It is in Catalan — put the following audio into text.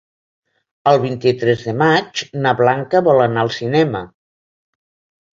El vint-i-tres de maig na Blanca vol anar al cinema.